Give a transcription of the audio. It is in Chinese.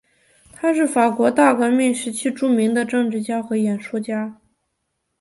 他是法国大革命时期著名的政治家和演说家。